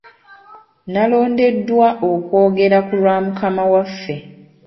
Nalondeddwa okwogera ku lwa mukama waffe .